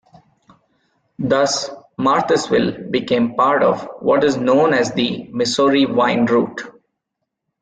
Thus Marthasville became part of what is known as the Missouri "wine route".